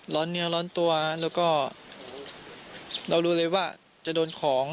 เนื้อร้อนตัวแล้วก็เรารู้เลยว่าจะโดนของ